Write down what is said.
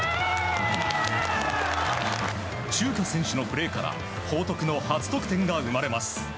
チューカ選手のプレーから報徳の初得点が生まれます。